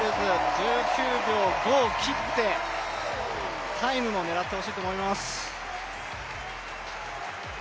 １９秒５を切って、タイムも狙ってほしいと思います。